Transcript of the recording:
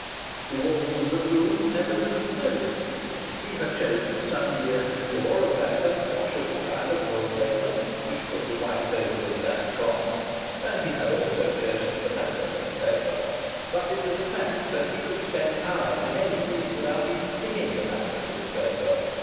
The walls of the room never drew his notice. He had chosen, some years before, a patent washable kind of wall paper (which could be wiped over with a damp cloth), and he had also chosen the pattern of the paper, but it is a fact that he could spend hours in any room without even seeing the pattern of its paper.